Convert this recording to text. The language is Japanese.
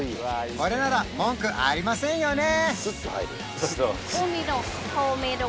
これなら文句ありませんよね